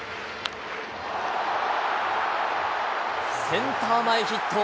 センター前ヒット。